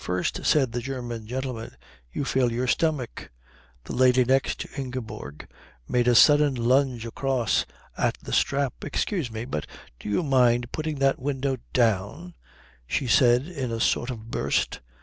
"First," said the German gentleman, "you fill your stomach " The lady next to Ingeborg made a sudden lunge across her at the strap. "Excuse me, but do you mind putting that window down?" she said in a sort of burst.